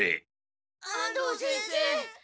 安藤先生。